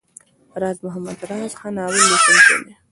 راز محمد راز ښه ناول ليکونکی دی.